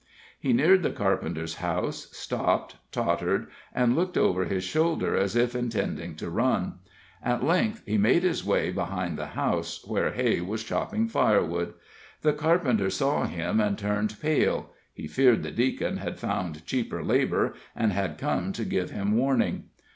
He neared the carpenter's house, stopped, tottered, and looked over his shoulder as if intending to run; at length he made his way behind the house, where Hay was chopping firewood. The carpenter saw him and turned pale he feared the Deacon had found cheaper labor, and had come to give him warning.